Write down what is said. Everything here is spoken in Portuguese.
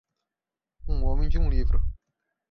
Um homem de um livro